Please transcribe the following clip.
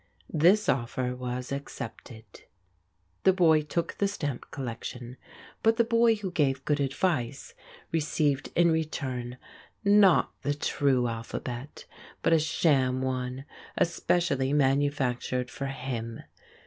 This offer was accepted. The boy took the stamp collection, but the boy who gave good advice received in return not the true alphabet but a sham one especially manufactured for him.